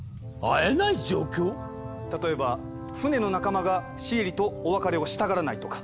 例えば船の仲間がシエリとお別れをしたがらないとか。